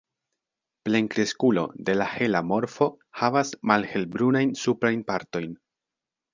Plenkreskulo de la hela morfo havas malhelbrunajn suprajn partojn.